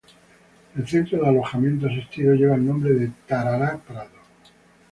El centro de alojamiento asistido lleva el nombre de "Tarará-Prado".